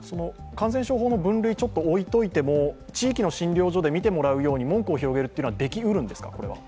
感染症法の分類を置いておいても地域の診療所で診てもらえるように門戸を広げるというのはできうるんですか？